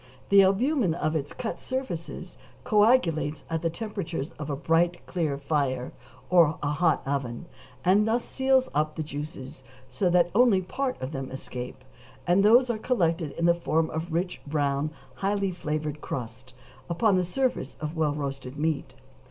The albumen of its cut surfaces coagulates at the temperature of a bright, clear fire, or a hot oven, and thus seals up the juices so that only a part of them escape, and those are collected in the form of a rich brown, highly flavored crust, upon the surface of well roasted meat.